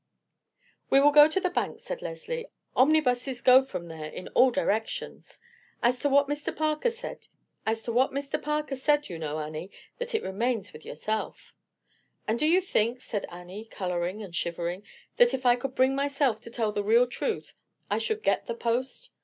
"We will go to the Bank," said Leslie; "omnibuses go from there in all directions. As to what Mr. Parker said, you know, Annie, that it remains with yourself." "And do you think," said Annie, coloring and shivering, "that if I could bring myself to tell the real truth I should get the post?"